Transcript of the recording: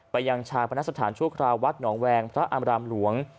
ยังชาปนสถานชั่วคราววัดหนองแวงพระอามรามหลวง